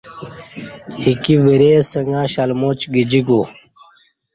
ایکی ورے سنگہ شلماچ گجیکو